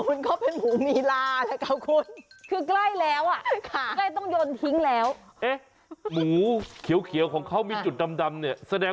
ไม่หมูชาเขียวก็เป็นหมูมีลาแหละฮะคุณ